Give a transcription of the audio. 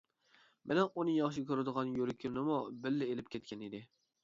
مىنىڭ ئۇنى ياخشى كۆرىدىغان يۈرىكىمنىمۇ بىللە ئىلىپ كەتكەن ئىدى.